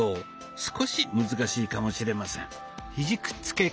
少し難しいかもしれません。